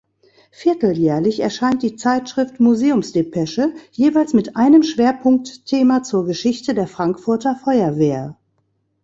Vierteljährlich erscheint die Zeitschrift „Museums-Depesche“ jeweils mit einem Schwerpunktthema zur Geschichte der Frankfurter Feuerwehr.